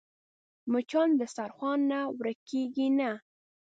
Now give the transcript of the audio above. مچان د دسترخوان نه ورکېږي نه